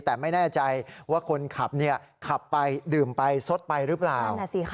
แต่ไม่แน่ใจว่าคนขับขับไปดื่มไปซดไปหรือเปล่า